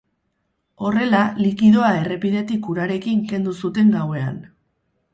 Horrela, likidoa errepidetik urarekin kendu zuten gauean.